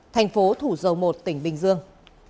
tp thủ dầu một tỉnh bình dương